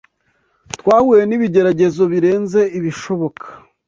Twahuye n’ibigeragezo birenze ibishoboka